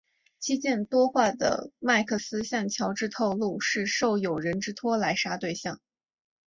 期间多话的麦克斯向乔治透露是受友人之托来杀对象。